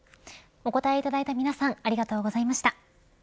お答えいただいた皆さんありがとうございました。